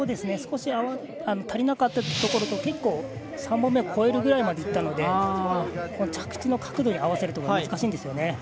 少し足りなかったところと結構、３本目を越えるぐらいまでいったので着地の角度に合わせることが難しいんですよね。